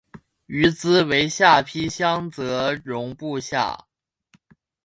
于兹为下邳相笮融部下。